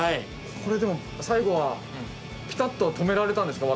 これでも最後はピタッと止められたんですか？